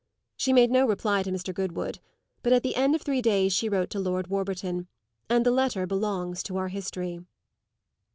She made no reply to Mr. Goodwood; but at the end of three days she wrote to Lord Warburton, and the letter belongs to our history.